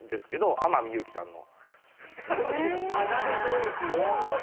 天海祐希さんの。